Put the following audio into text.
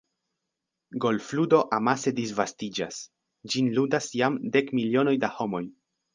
Golfludo amase disvastiĝas – ĝin ludas jam dek milionoj da homoj.